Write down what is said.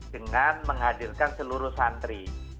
dengan menghadirkan seluruh santri